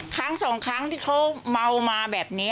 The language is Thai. ครั้งสองครั้งที่เขาเมามาแบบนี้